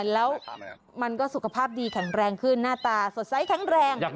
แล้วมันก็สุขภาพดีแข็งแรงขึ้นหน้าตาสดใสแข็งแรง